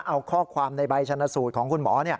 เอาข้อความในใบชนสูตรของคุณหมอ